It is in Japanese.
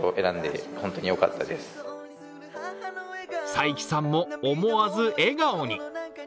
彩希さんも思わず笑顔に。